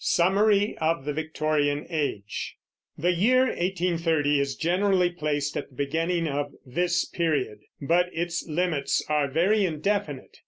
SUMMARY OF THE VICTORIAN AGE. The year 1830 is generally placed at the beginning of this period, but its limits are very indefinite.